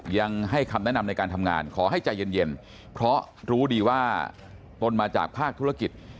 ยังให้คำแนะนำในการทำงานขอให้ใจเย็นเพราะรู้ดีว่าตนมาจากภาคธุรกิจ